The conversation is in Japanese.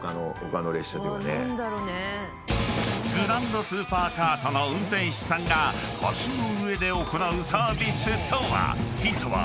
［グランド・スーパーカートの運転士さんが橋の上で行うサービスとは？］